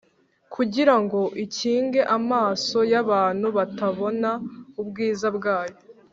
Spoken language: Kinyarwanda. kugira ngo ikinge amaso y’abantu batabona ubwiza bwayo